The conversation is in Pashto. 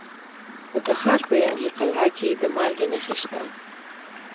د تخار په ینګي قلعه کې د مالګې نښې شته.